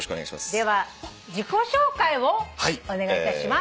では自己紹介をお願いいたします。